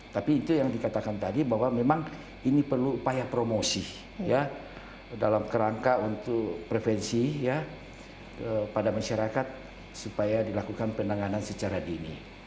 tapi itu yang dikatakan tadi bahwa memang ini perlu upaya promosi ya dalam kerangka untuk prevensi pada masyarakat supaya dilakukan penanganan secara dini